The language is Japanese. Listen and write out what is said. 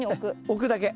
置くだけ。